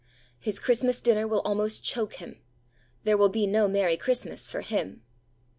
His Christmas dinner will almost choke him. There will be no merry Christmas for him!